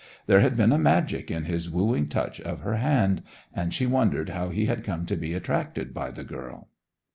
There had been a magic in his wooing touch of her hand; and she wondered how he had come to be attracted by the girl.